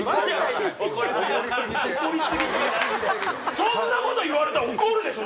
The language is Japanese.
そんなこと言われたら怒るでしょ